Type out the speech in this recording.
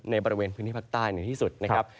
ในบริเวณพื้นที่ภาคใต้ในที่สุดนะครับ